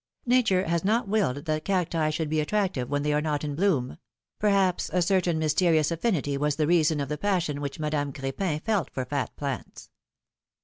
Nature has not willed that cactii should be attractive when they are not in bloom ; perhaps a certain mysterious affinity was the reason of the passion v/hich Madame Crepin felt for fat plants.